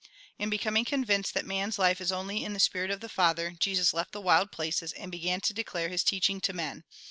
And becoming convinced that man's life is only in the spirij; of the Father, Jesus left the wild places, and began to declare his teach ing to men.